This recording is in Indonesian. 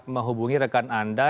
menghubungi rekan anda